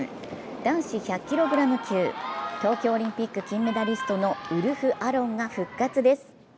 男子１００キロ級、東京オリンピック金メダリストのウルフ・アロンが復活です。